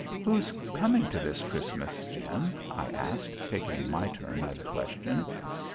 "Who's coming to this Christmas, Jim?" I asked, taking my turn at a question.